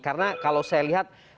karena kalau saya lihat